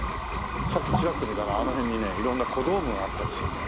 さっきチラッと見たらあの辺にね色んな小道具があったりするのよ。